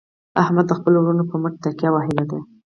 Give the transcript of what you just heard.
احمد د خپلو ورڼو په مټ تکیه وهلې ده.